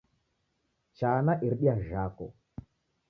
Chana iridia jhako